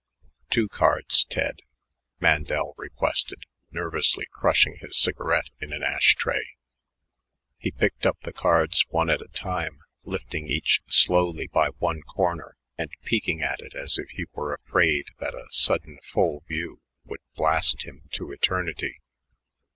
"Two cards, Ted," Mandel requested, nervously crushing his cigarette in an ash tray. He picked up the cards one at a time, lifting each slowly by one corner, and peeking at it as if he were afraid that a sudden full view would blast him to eternity.